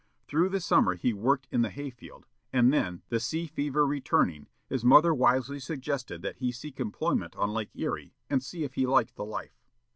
Through the summer he worked in the hay field, and then, the sea fever returning, his mother wisely suggested that he seek employment on Lake Erie and see if he liked the life.